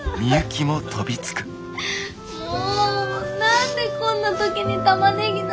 もう何でこんな時にタマネギなの？